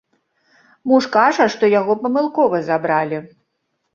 Муж кажа, што яго памылкова забралі.